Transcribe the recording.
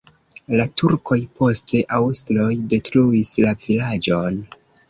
La turkoj, poste aŭstroj detruis la vilaĝon.